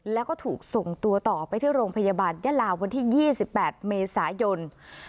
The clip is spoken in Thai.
แล้วก็ถูกส่งตัวต่อไปที่โรงพยาบาลยะลาวันที่๒๘เมษายน